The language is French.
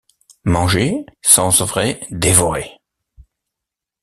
Manger, sens vrai: dévorer.